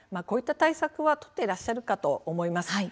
こういった対策は取っていらっしゃるかと思います。